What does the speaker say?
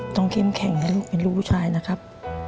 เข้มแข็งให้ลูกเป็นลูกผู้ชายนะครับ